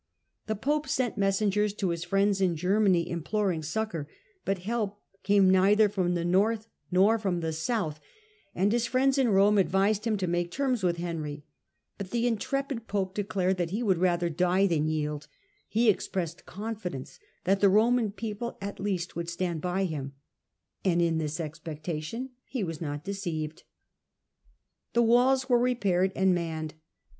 The pope sent messengers to his friends in Germany, imploring succour, but help came neither from the north nor from the south^ Digitized by VjOOQIC The Last Years of Gregory VII. 147 and Us friends in Eome advised him to make terms with Henry. But the intrepid pope declared that he would rather die than yield; he expressed confidence thatlbhe Roman people, at least, would stand by him ; and in this expectation he was not deceived. The walls were repaired and manned.